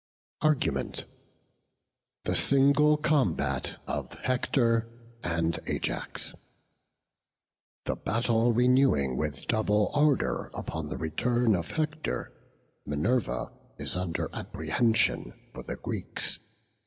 ARGUMENT. THE SINGLE COMBAT OF HECTOR AND AJAX. The battle renewing with double ardour upon the return of Hector, Minerva is under apprehensions for the Greeks.